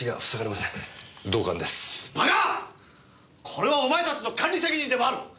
これはお前達の管理責任でもある。